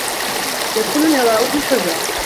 يَدْخَلُ الْهَوَاءُ فِي الْحُجْرَةِ.